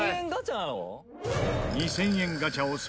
２０００円ガチャなの？